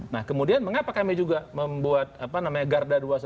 nah kemudian mengapa kami juga membuat garda dua ratus dua belas